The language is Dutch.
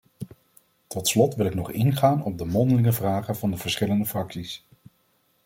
Tot slot wil ik nog ingaan op de mondelinge vragen van de verschillende fracties.